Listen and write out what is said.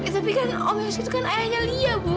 tapi kan om yos itu kan ayahnya lia bu